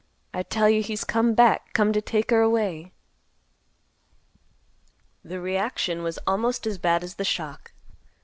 I tell you he's come back. Come to take her away." The reaction was almost as bad as the shock. Mr.